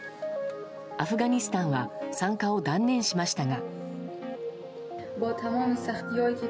アフガニスタンは参加を断念しましたが。